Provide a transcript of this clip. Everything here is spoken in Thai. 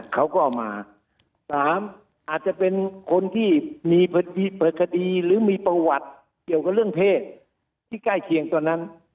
เขาก็เอามา๓อาจจะเป็นคนที่มีเปิดคดีหรือมีประวัติเกี่ยวกับเรื่องเพศที่ใกล้เคียงตอนนั้น